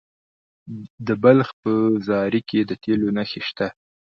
د بلخ په زاري کې د تیلو نښې شته.